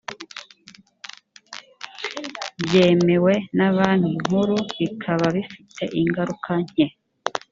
byemewe na banki nkuru bikaba bifite ingaruka nke